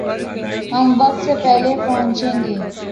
ہم وقت سے پہلے پہنچیں گے